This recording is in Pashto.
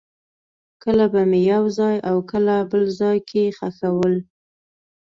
کله به مې یو ځای او کله بل ځای کې خښول.